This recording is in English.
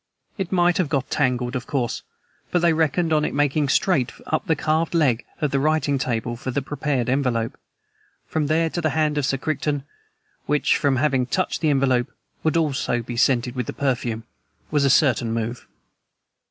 It might have got tangled, of course, but they reckoned on its making straight up the carved leg of the writing table for the prepared envelope. From there to the hand of Sir Crichton which, from having touched the envelope, would also be scented with the perfume was a certain move."